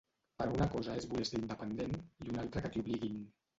Però una cosa és voler ser independent i una altra que t'hi obliguin.